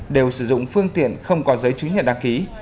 đều sử dụng phương tiện không có giấy chứng nhận đăng ký